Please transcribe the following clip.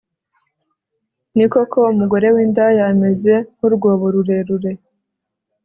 ni koko, umugore w'indaya ameze nk'urwobo rurerure